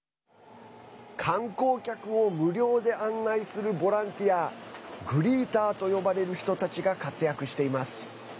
観光客を無料で案内するボランティアグリーターと呼ばれる人たちが活躍しています。